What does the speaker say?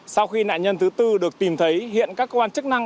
sau khi nạn nhân thứ tư được tìm thấy hiện các quan chức năng đang